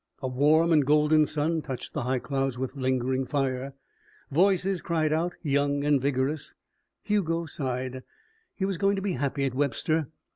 A warm and golden sun touched the high clouds with lingering fire. Voices cried out, young and vigorous. Hugo sighed. He was going to be happy at Webster.